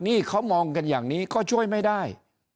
นี่เขามองกันอย่างนี้ก็ช่วยไม่ได้